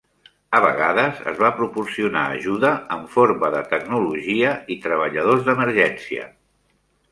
A vegades es va proporcionar ajuda en forma de tecnologia i treballadors d'emergència.